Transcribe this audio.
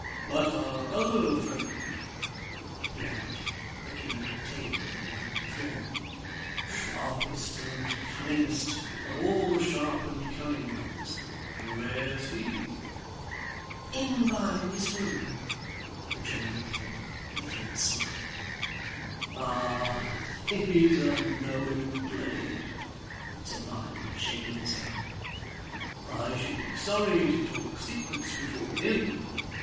But our other friend,' he added, looking under the table and about the floor 'sharpest and cunningest of all the sharp and cunning ones where's he?' 'In Barnaby's room,' rejoined the widow, with a faint smile. 'Ah! He's a knowing blade!' said Varden, shaking his head. 'I should be sorry to talk secrets before him.